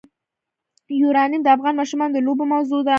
یورانیم د افغان ماشومانو د لوبو موضوع ده.